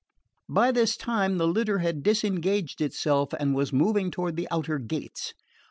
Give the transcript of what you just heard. By this the litter had disengaged itself and was moving toward the outer gates.